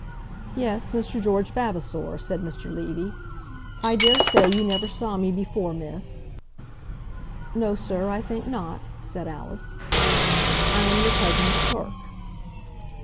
"Yes, Mr. George Vavasor," said Mr. Levy. "I dare say you never saw me before, miss?" "No, sir; I think not," said Alice. "I am your cousin's clerk."